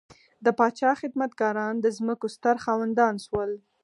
د پاچا خدمتګاران د ځمکو ستر خاوندان شول.